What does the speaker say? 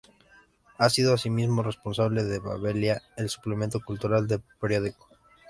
Ha sido asimismo responsable de Babelia, el suplemento cultural del periódico.